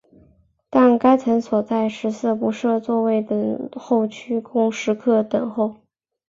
但该层所有食肆不设座位等候区供食客等候。